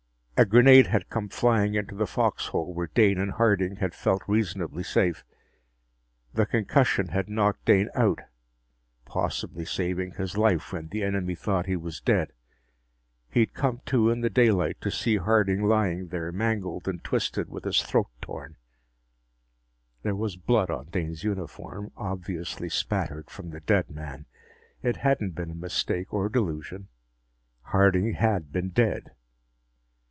A grenade had come flying into the foxhole where Dane and Harding had felt reasonably safe. The concussion had knocked Dane out, possibly saving his life when the enemy thought he was dead. He'd come to in the daylight to see Harding lying there, mangled and twisted, with his throat torn. There was blood on Dane's uniform, obviously spattered from the dead man. It hadn't been a mistake or delusion; Harding had been dead.